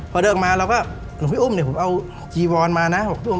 พอเดินมาเราก็หลวงพี่อุ้มเนี่ยผมเอาจีวอนมานะ๖ทุ่ม